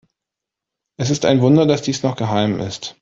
Es ist ein Wunder, dass dies noch geheim ist.